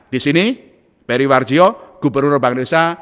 di sini peri warjio gubernur bangdusah